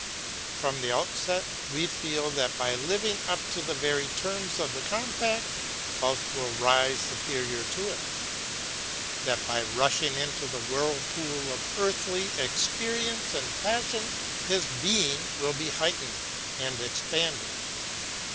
From the outset we feel that by living up to the very terms of the compact, Faust will rise superior to it; that by rushing into the whirlpool of earthly experience and passion, his being will be heightened and expanded.